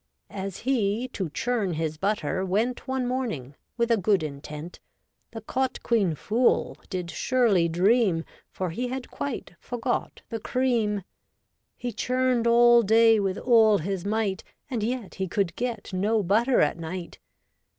As he to churn his butter went One morning, with a good intent. The cot quean fool did surely dream, For he had quite forgot the cream. He churned all day with all his might, And yet he could get no butter at night.